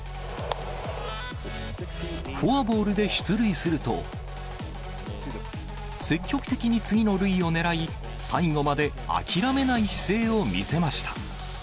フォアボールで出塁すると、積極的に次の塁を狙い、最後まで諦めない姿勢を見せました。